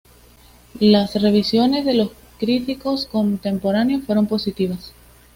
Las revisiones de los críticos contemporáneos fueron positivas.